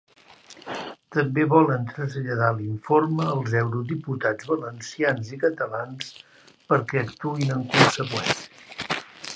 També volen traslladar l’informe als eurodiputats valencians i catalans perquè actuïn en conseqüència.